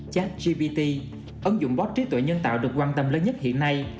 chatgpt ấn dụng bot trí tuệ nhân tạo được quan tâm lớn nhất hiện nay